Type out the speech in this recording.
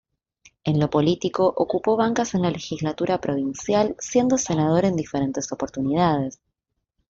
En lo político, ocupó bancas en la legislatura provincial siendo senador en diferentes oportunidades.